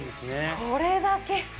これだけ。